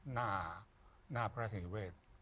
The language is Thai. หน้าพระราชนิเวศ